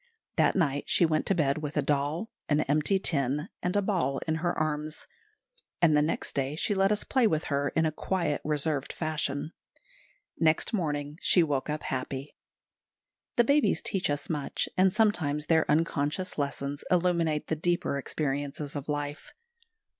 That night she went to bed with a doll, an empty tin, and a ball in her arms; and the next day she let us play with her in a quiet, reserved fashion. Next morning she woke happy. The babies teach us much, and sometimes their unconscious lessons illuminate the deeper experiences of life.